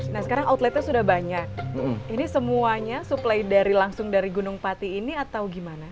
nah sekarang outletnya sudah banyak ini semuanya suplai langsung dari gunung pati ini atau gimana